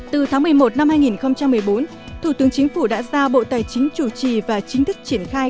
từ tháng một mươi một năm hai nghìn một mươi bốn thủ tướng chính phủ đã giao bộ tài chính chủ trì và chính thức triển khai